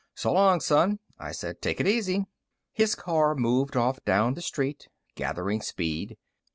"So long, son," I said. "Take it easy." His car moved off down the street, gathering speed.